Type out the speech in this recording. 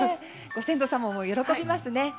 ご先祖様も喜びますね。